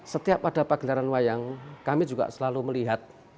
setiap ada pagelaran wayang kami juga selalu melihat